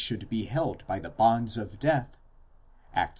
should be held by the bonds of death (Acts ii.